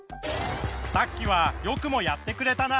さっきはよくもやってくれたな！